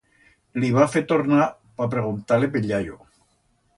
La va fer tornar pa preguntar-le pe'l yayo.